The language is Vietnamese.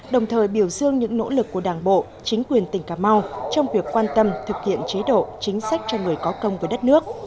đồng thời biểu dương những nỗ lực của đảng bộ chính quyền tỉnh cà mau trong việc quan tâm thực hiện chế độ chính sách cho người có công với đất nước